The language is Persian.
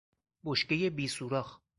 بشکهی بیسوراخ